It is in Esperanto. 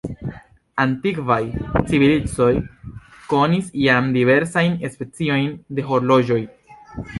La antikvaj civilizoj konis jam diversajn speciojn de horloĝoj.